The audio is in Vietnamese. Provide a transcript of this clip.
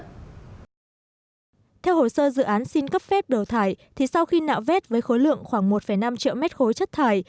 theo hồ sơ dự án xin cấp phép đổ thải sau khi nạo vết với khối lượng khoảng một năm triệu m ba chất thải